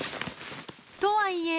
とはいえ。